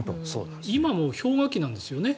今も氷河期なんですよね。